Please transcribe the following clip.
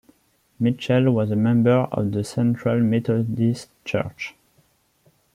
Mitchell was a member of the Central Methodist Church.